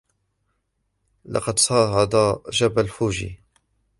لقد صعد جبل فوجي.